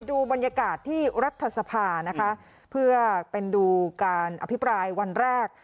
ดูบรรยากาศที่รัฐสภานะคะเพื่อเป็นดูการอภิปรายวันแรก